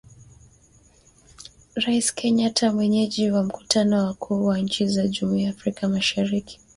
Raisi Kenyatta mwenyeji wa mkutano wa wakuu wa nchi za jumuia ya Afrika ya Mashariki